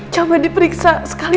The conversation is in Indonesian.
saya tidak bisa mehrap